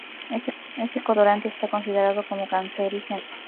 Este colorante está considerado como cancerígeno.